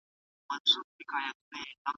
که استاد په املا کي له پوښتنو کار واخلي